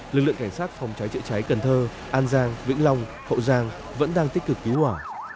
lực lượng cảnh sát phòng cháy chữa cháy cần thơ an giang vĩnh long hậu giang vẫn đang tích cực cứu hỏa